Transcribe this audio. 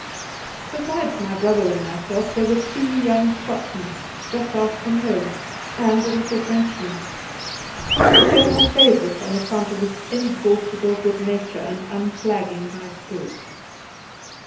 Besides my brother and myself there were two young Scotchmen (just out from home) and a little Frenchman. He was a general favourite on ac count of his inexhaustible good nature and un flagging high spirits.